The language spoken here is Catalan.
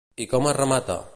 I com es remata?